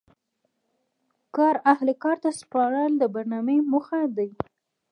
کار اهل کار ته سپارل د برنامې موخه دي.